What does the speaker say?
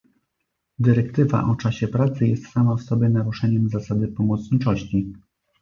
Dyrektywa o czasie pracy jest sama w sobie naruszeniem zasady pomocniczości